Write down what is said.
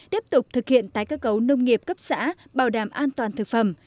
tiếp tục thực hiện tái cơ cấu nông nghiệp cấp xã bảo đảm an toàn thực phẩm